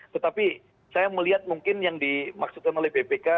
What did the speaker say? tetapi saya melihat mungkin yang dimaksudkan oleh bpk